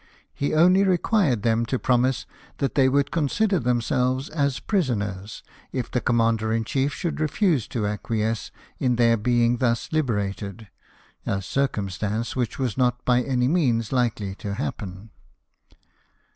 He only required them to promise that they would consider them selves as prisoners, if the commander in chief should refuse to acquiesce in their being thus hberated — a circumstance which was not by any means likely to happen.